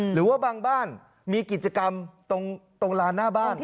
หรือว่าบางบ้านมีกิจกรรมตรงลานหน้าบ้าน